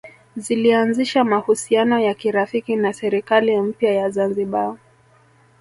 Zilianzisha mahusiano ya kirafiki na serikali mpya ya Zanzibar